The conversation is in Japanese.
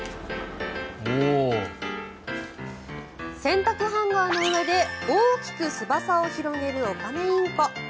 洗濯ハンガーの上で大きく翼を広げるオカメインコ。